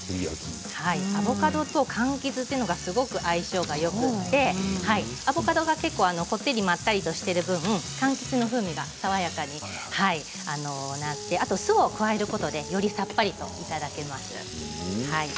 アボカドと、かんきつというのがすごく相性がよくてアボカドが結構こってり、まったりしている分かんきつの風味が爽やかになってあと酢を加えることでよりさっぱりいただけます。